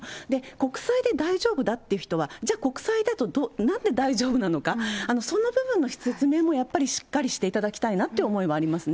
国債で大丈夫だっていう人は、じゃあ国債だと、なんで大丈夫なのか、その部分の説明も、やっぱりしっかりしていただきたいなという思いもありますね。